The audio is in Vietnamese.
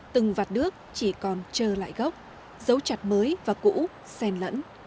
từng vặt đước chỉ còn trơ lại gốc dấu chặt mới và cũ sen lẫn